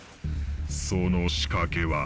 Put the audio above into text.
その仕掛けは。